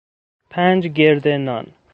پنج گرده نان